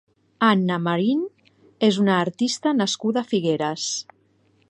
Anna Marín és una artista nascuda a Figueres.